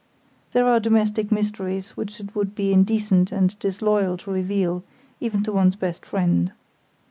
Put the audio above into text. There are domestic mysteries which it would be indecent and disloyal to reveal, even to one's best friend.